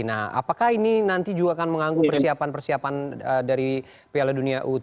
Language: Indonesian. nah apakah ini nanti juga akan mengganggu persiapan persiapan dari piala dunia u tujuh belas